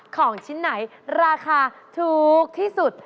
ของชิ้นไหนราคาถูกที่สุด